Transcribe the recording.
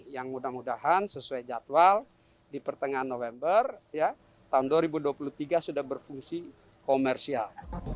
yang mudah mudahan sesuai jadwal di pertengahan november tahun dua ribu dua puluh tiga sudah berfungsi komersial